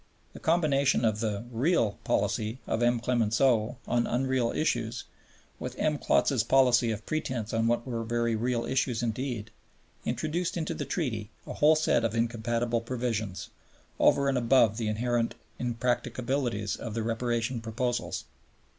The combination of the "real" policy of M. Clemenceau on unreal issues, with M. Klotz's policy of pretense on what were very real issues indeed, introduced into the Treaty a whole set of incompatible provisions, over and above the inherent impracticabilities of the Reparation proposals.